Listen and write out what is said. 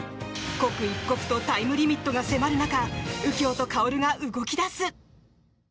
刻一刻とタイムリミットが迫る中右京と薫が動き出す！